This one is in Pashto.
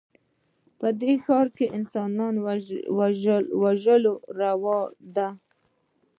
په دې ښـار کښې د انسان وژل روا دي